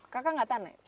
kakak tidak tanya